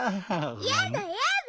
やだやだ！